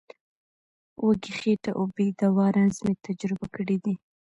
وږې خېټه او بې دوا رنځ مې تجربه کړی دی.